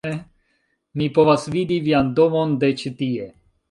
mi povas vidi vian domon de ĉi-tie!